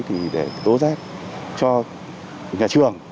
thì để tố rét cho nhà trường